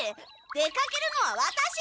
出かけるのはワタシ！